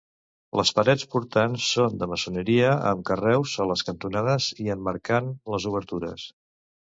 Les parets portants són de maçoneria amb carreus a les cantonades i emmarcant les obertures.